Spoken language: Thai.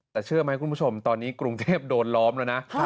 แต่เชื่อไหมคุณผู้ชมตอนนี้กรุงเทพโดนล้อมแล้วนะ